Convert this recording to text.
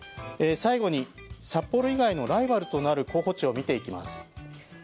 最後に、札幌以外のライバルとなる候補地を見ていきます。